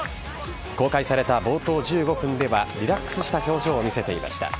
公開された冒頭１５分ではリラックスした表情を見せていました。